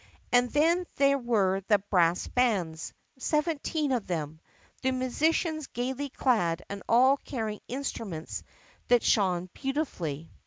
And then there were the brass bands, seventeen of them, the musicians gaily clad and all carrying instruments that shone beautifully.